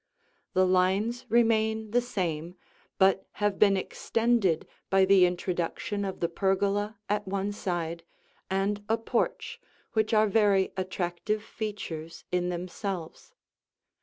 The lines remain the same but have been extended by the introduction of the pergola at one side and a porch which are very attractive features in themselves.